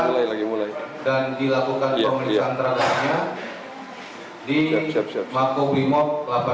diamankan dan dilakukan pemeriksaan terhadapnya di markas komando brimob kelapa dua